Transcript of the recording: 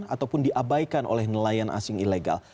ataupun diabaikan oleh nelayan asing ilegal